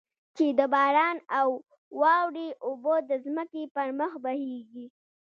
چې د باران او واورې اوبه د ځمکې پر مخ بهېږي.